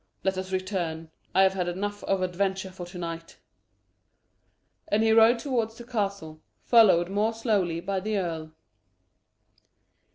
Let us return. I have had enough of adventure for to night." And he rode towards the castle, followed more slowly by the earl.